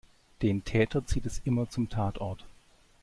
Den Täter zieht es immer zum Tatort.